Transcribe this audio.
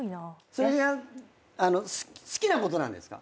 それは好きなことなんですか？